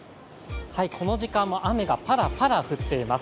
この時間も雨がパラパラ降っています。